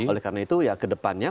oleh karena itu ya kedepannya